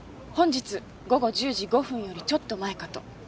本日午後１０時５分よりちょっと前かと。